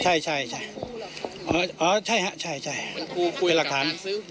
ใช่ใช่ใช่อ่าใช่ฮะใช่ใช่เป็นหลักฐาน